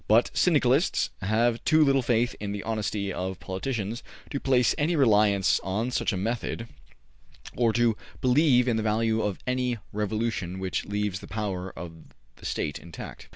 But Syndicalists have too little faith in the honesty of politicians to place any reliance on such a method or to believe in the value of any revolution which leaves the power of the State intact.